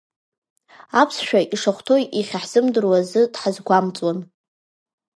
Аԥсшәа ишахәҭоу иахьаҳзымдыруаз азы дҳазгәамҵуан.